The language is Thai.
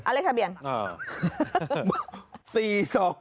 เลขทะเบียน